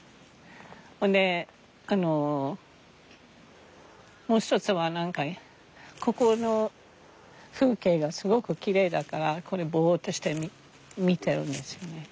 ほんであのもう一つは何かここの風景がすごくきれいだからこれぼっとして見てるんですよね。